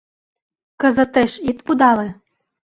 Кызытеш ит пудале.